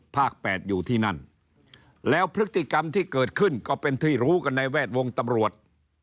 แปดอยู่ที่นั่นแล้วพฤติกรรมที่เกิดขึ้นก็เป็นที่รู้กันในแวดวงตำรวจ